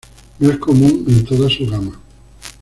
No es común en toda su gama.